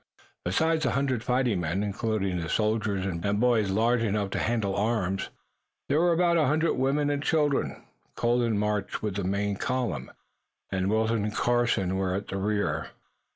Besides the hundred fighting men, including the soldiers and boys large enough to handle arms, there were about a hundred women and children. Colden marched with the main column, and Wilton and Carson were at the rear.